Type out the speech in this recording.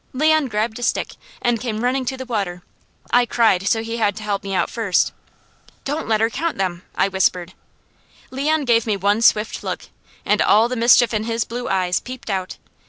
Leon grabbed a stick and came running to the water. I cried so he had to help me out first. "Don't let her count them!" I whispered. Leon gave me one swift look and all the mischief in his blue eyes peeped out.